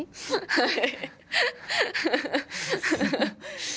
はい。